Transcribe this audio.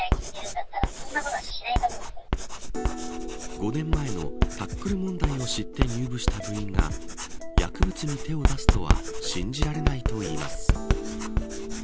５年前のタックル問題を知って入部した部員が薬物に手を出すとは信じられないといいます。